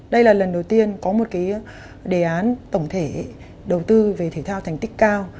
đây là lần đầu tiên có một đề án tổng thể đầu tư về thể thao thành tích cao